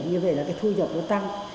như vậy là cái thu nhập nó tăng